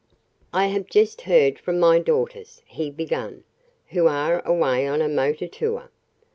"I have just heard from my daughters," he began, "who are away on a motor tour.